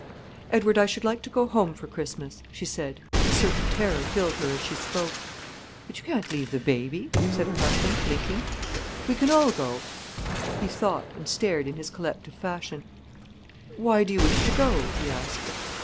"Edward, I should like to go home for Christmas," she said, and a certain terror filled her as she spoke. "But you can't leave baby," said her husband, blinking. "We can all go." He thought, and stared in his collective fashion. "Why do you wish to go?" he asked.